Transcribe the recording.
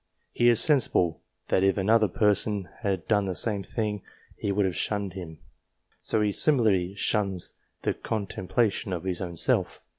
He is sensible that if another person had done the same thing, he would have shunned him ; so he similarly shuns the contemplation of his own self.